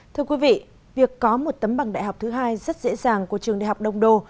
thưa quý vị việc có một tấm bằng đại học thứ hai rất dễ dàng của trường đại học đông đô